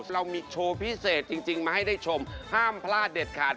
เรามีโชว์พิเศษจริงมาให้ได้ชมห้ามพลาดเด็ดขาด